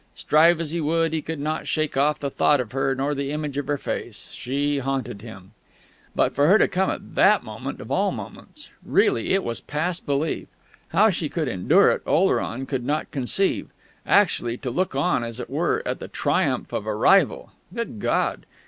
Strive as he would, he could not shake off the thought of her nor the image of her face. She haunted him. But for her to come at that moment of all moments!... Really, it was past belief! How she could endure it, Oleron could not conceive! Actually, to look on, as it were, at the triumph of a Rival.... Good God!